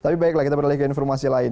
tapi baiklah kita berlaku informasi lain